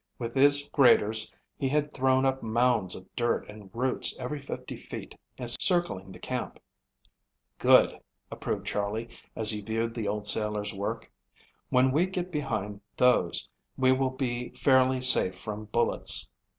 With his graders he had thrown up mounds of dirt and roots every fifty feet circling the camp. "Good!" approved Charley, as he viewed the old sailor's work. "When we get behind those we will be fairly safe from bullets.